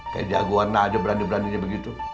kayak jagoan aja berani beraninya begitu